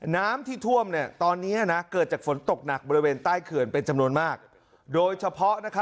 น้ำที่ท่วมตอนนี้นะเกิดจากฝนตกหนักบริเวณใต้เขื่อนเป็นจำนวนมากโดยเฉพาะ